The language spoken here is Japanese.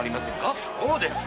そうです。